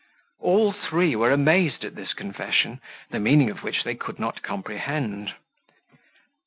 All three were amazed at this confession, the meaning of which they could not comprehend.